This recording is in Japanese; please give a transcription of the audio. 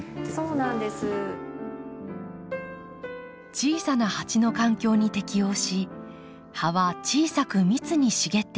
小さな鉢の環境に適応し葉は小さく密に茂っていきます。